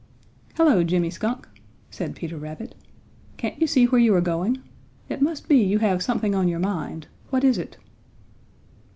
"Hello, Jimmy Skunk," said Peter Rabbit, "can't you see where you are going? It must be you have something on your mind; what is it?"